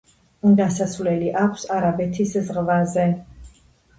გასასვლელი აქვს არაბეთის ზღვაზე.